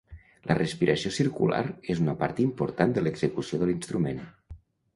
La respiració circular és una part important de l'execució de l'instrument.